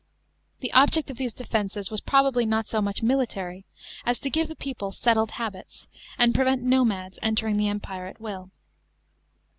The object of these defences was probably not so much military as to give the people settled habits, and prevent nomads entering the Empire at will.